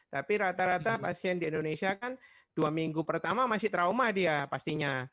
tapi rata rata pasien di indonesia kan dua minggu pertama masih trauma dia pastinya